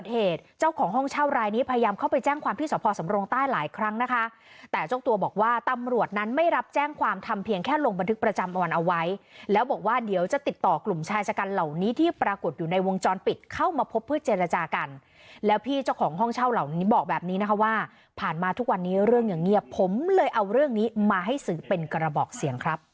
ห้องใต้หลายครั้งนะคะแต่เจ้าตัวบอกว่าตำรวจนั้นไม่รับแจ้งความทำเพียงแค่ลงบันทึกประจำอ่อนเอาไว้แล้วบอกว่าเดี๋ยวจะติดต่อกลุ่มชายเจ้ากันเหล่านี้ที่ปรากฏอยู่ในวงจรปิดเข้ามาพบเพื่อเจรจากันแล้วพี่เจ้าของห้องเช่าเหล่านี้บอกแบบนี้นะคะว่าผ่านมาทุกวันนี้เรื่องอย่างเงียบผมเลยเอาเรื่องนี้มาให้